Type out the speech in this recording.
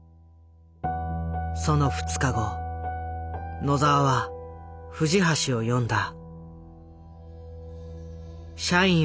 その２日後野澤は藤橋を呼んだ。